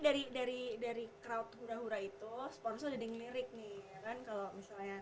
dari crowd hura hura itu sponsor jadi milik nih kan kalau misalnya